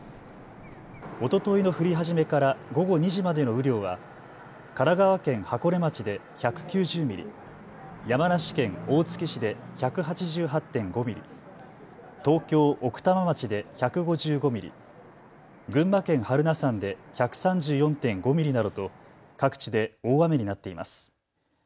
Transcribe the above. おとといの降り始めから午後２時までの雨量は、神奈川県箱根町で１９０ミリ、山梨県大月市で１８８．５ミリ、東京・奥多摩町で１５５ミリ、群馬県榛名山で１３４．５ミリなどと、各地で大雨になっています。